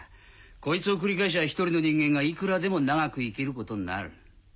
こいつを繰り返しゃ１人の人間がいくらでも長く生きることになる。